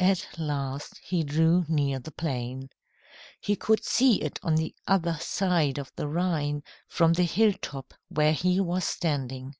At last, he drew near the plain. He could see it on the other side of the Rhine, from the hilltop where he was standing.